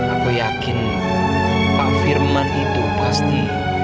aku yakin pak firman itu pasti